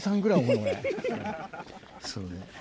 そうね。